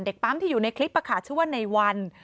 เด็กปั๊มที่อยู่ในคลิปป่ะค่ะชื่อว่าในวัน